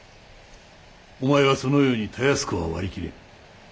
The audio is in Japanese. お前はそのようにたやすくは割りきれぬ。